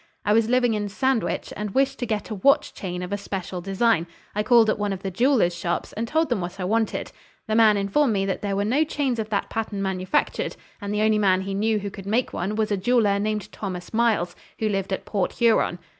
I was living in Sandwich, and wished to get a watch chain of a special design. I called at one of the jewellers' shops and told them what I wanted. The man informed me that there were no chains of that pattern manufactured, and the only man he knew who could make one was a jeweller named Thomas Miles, who lived at Port Huron.